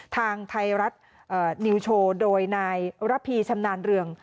ทางไทยรัฐนิวโชว์โดยนายระพีชำนาญเรือง